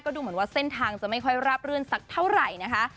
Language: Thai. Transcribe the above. ดูเหมือนว่าเส้นทางจะไม่ค่อยราบรื่นสักเท่าไหร่นะคะ